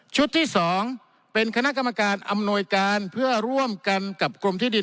ที่๒เป็นคณะกรรมการอำนวยการเพื่อร่วมกันกับกรมที่ดิน